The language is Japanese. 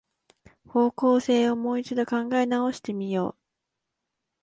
方向性をもう一度考え直してみよう